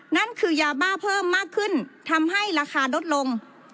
นั่นคือยาบ้าเพิ่มมากขึ้นทำให้ราคาลดลง